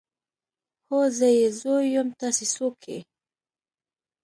هو زه يې زوی يم تاسې څوک يئ.